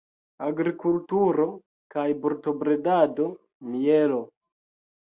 Agrikulturo kaj brutobredado; mielo.